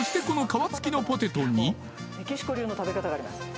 そしてこのメキシコ流の食べ方があります